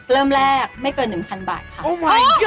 เริ่มแรกไม่เกิน๑๐๐๐บาทค่ะ